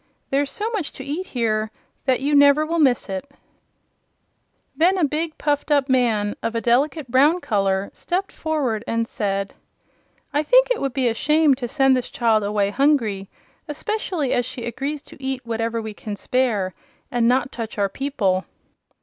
There's so much to eat here that you will never miss it." Then a big, puffed up man, of a delicate brown color, stepped forward and said: "I think it would be a shame to send this child away hungry, especially as she agrees to eat whatever we can spare and not touch our people."